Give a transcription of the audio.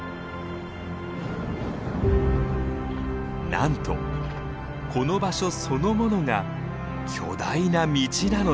なんとこの場所そのものが巨大な道なのです。